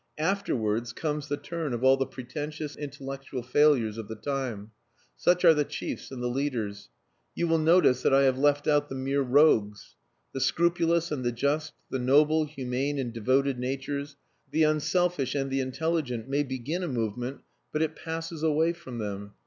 Afterwards comes the turn of all the pretentious intellectual failures of the time. Such are the chiefs and the leaders. You will notice that I have left out the mere rogues. The scrupulous and the just, the noble, humane, and devoted natures; the unselfish and the intelligent may begin a movement but it passes away from them.